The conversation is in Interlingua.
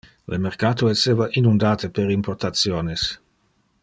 Le mercato esseva inundate per importationes.